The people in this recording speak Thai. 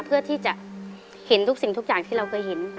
เพื่อที่จะเห็นทุกสิ่งทุกอย่างที่เราเคยเห็น